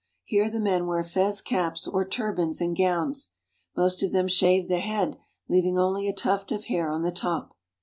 Here the men wear fez caps or turbans and gowns. Most of them shave the head, leaving only a tuft of hair on the top.